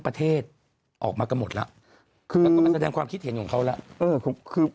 ประเทศออกมากันหมดแล้วคือแสดงความคิดเห็นของเขาแล้วเออ